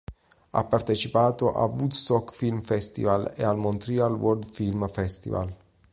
Ha partecipato al Woodstock Film Festival e al Montreal World Film Festival.